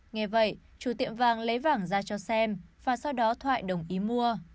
nghe vậy chủ tiệm vàng lấy vàng ra cho xem và sau đó thoại đồng ý mua